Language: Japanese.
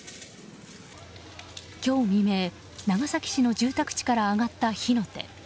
今日未明、長崎市の住宅地から上がった火の手。